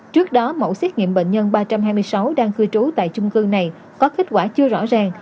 trước đó mẫu xét nghiệm bệnh nhân ba trăm hai mươi sáu đang cư trú tại chung cư này có kết quả chưa rõ ràng